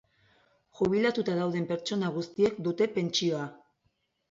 Jubilatuta dauden pertsona guztiek dute pentsioa.